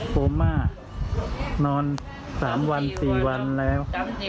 ประสาทสี่วันแล้ว